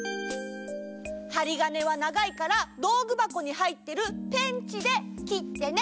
ハリガネはながいからどうぐばこにはいってるペンチできってね。